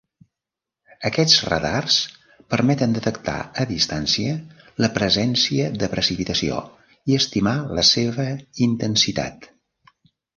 Aquests radars permeten detectar a distància la presència de precipitació i estimar la seva intensitat.